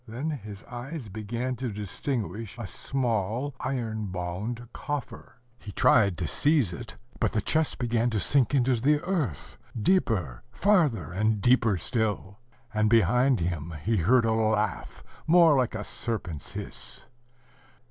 Then his eyes began to distinguish a small, iron bound coffer. He tried to seize it; but the chest began to sink into the earth, deeper, farther, and deeper still: and behind him he heard a laugh, more like a serpent's hiss.